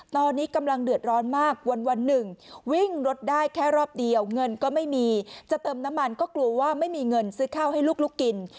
จะเติมน้ำมันก็กลัวว่าไม่มีเงินซื้อข้าวให้ลูกกิน